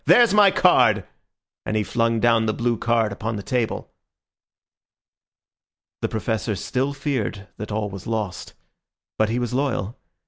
There's my card," and he flung down the blue card upon the table. The Professor still feared that all was lost; but he was loyal.